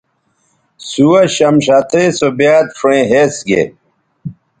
سُوہ شمشتئ سو بیاد شؤیں ھِس گے